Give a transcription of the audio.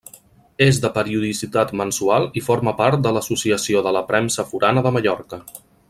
És de periodicitat mensual i forma part de l'Associació de la Premsa Forana de Mallorca.